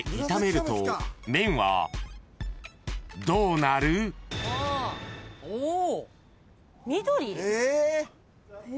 ［どうなる？］緑？